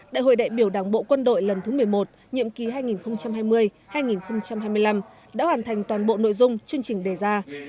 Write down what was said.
đại hội đại biểu đảng bộ quân đội lần thứ một mươi một nhiệm kỳ hai nghìn hai mươi hai nghìn hai mươi năm đã hoàn thành toàn bộ nội dung chương trình đề ra